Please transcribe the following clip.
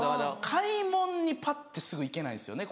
買い物にパッてすぐ行けないんですよね。